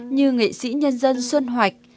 như nghệ sĩ nhân dân xuân hoạch